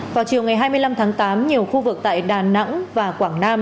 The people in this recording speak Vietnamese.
vào chiều ngày hai mươi năm tháng tám nhiều khu vực tại đà nẵng và quảng nam